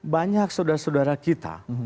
banyak saudara saudara kita